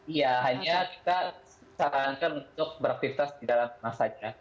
iya hanya kita sarankan untuk beraktivitas di dalam rumah saja